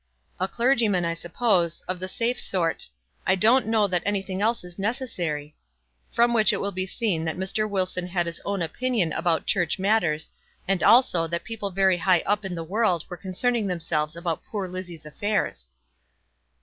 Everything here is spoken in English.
"A clergyman, I suppose, of the safe sort. I don't know that anything else is necessary." From which it will be seen that Mr. Wilson had his own opinion about church matters, and also that people very high up in the world were concerning themselves about poor Lizzie's affairs.